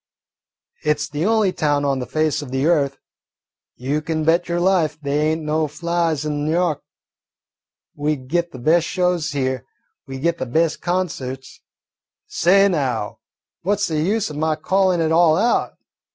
It 's the only town on the face of the earth. You kin bet your life they ain't no flies on N' Yawk. We git the best shows here, we git the best concerts say, now, what 's the use o' my callin' it all out?